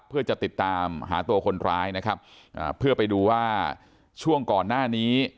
เพื่อจะติดตามหาตัวคนร้ายนะครับอ่าเพื่อไปดูว่าช่วงก่อนหน้านี้